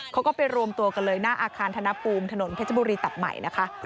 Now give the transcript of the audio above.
เขาก็ไปรวมตัวกันเลยหน้าอาคารธนภูมิถนนเพชรบุรีตัดใหม่นะคะ